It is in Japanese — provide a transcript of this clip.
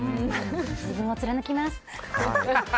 自分を貫きます。